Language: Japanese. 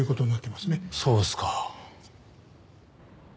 そうですか。